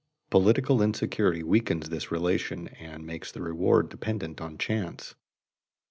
Political insecurity weakens this relation and makes the reward dependent on chance.